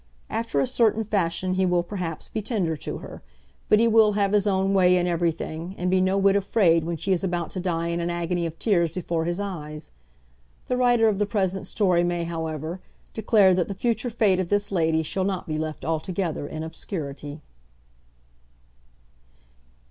After a certain fashion he will, perhaps, be tender to her; but he will have his own way in everything, and be no whit afraid when she is about to die in an agony of tears before his eyes. The writer of the present story may, however, declare that the future fate of this lady shall not be left altogether in obscurity.